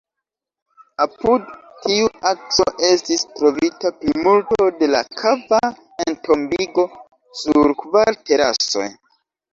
Apud tiu akso estis trovita plimulto de la kava entombigo, sur kvar terasoj.